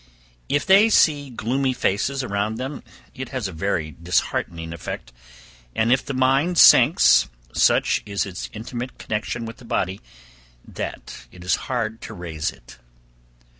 If they see gloomy faces around them, it has a very disheartening effect; and, if the mind sinks, such is its intimate connection with the body, that it is hard to raise it.